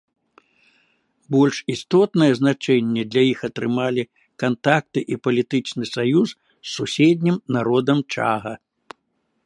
Больш істотнае значэнне для іх атрымалі кантакты і палітычны саюз з суседнім народам чага.